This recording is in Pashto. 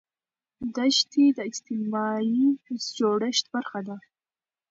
دښتې د اجتماعي جوړښت برخه ده.